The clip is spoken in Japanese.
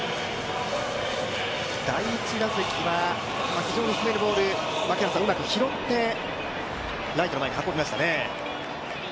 第１打席は非常に低めのボールをうまく拾ってライトの前に運びましたね。